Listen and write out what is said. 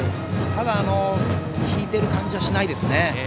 ただ、引いている感じはしないですね。